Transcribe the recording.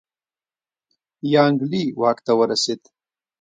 یانګلي واک ته ورسېد.